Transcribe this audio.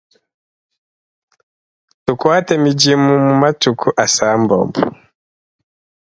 Tukuate midimu mu matuku asambombo.